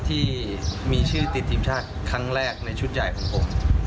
ที่มีชื่อติดทีมชาติครั้งแรกในชุดใหญ่ของผม